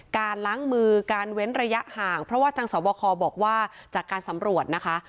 การล้างมือการเว้นระยะห่างเพราะว่าทางสวบคบอกว่าจากการสำรวจนะคะ